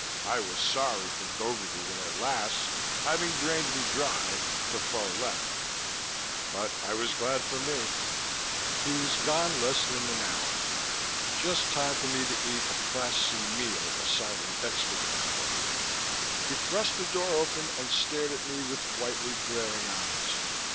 I was sorry for Gogarty when at last, having drained me dry, Defoe left. But I was glad for me. He was gone less than an hour just time for me to eat a Class C meal a silent expediter brought. He thrust the door open and stared at me with whitely glaring eyes.